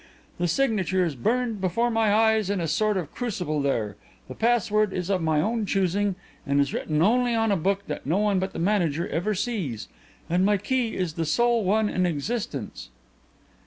The signature is burned before my eyes in a sort of crucible there, the password is of my own choosing and is written only in a book that no one but the manager ever sees, and my key is the sole one in existence."